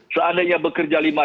seandainya bekerja lalu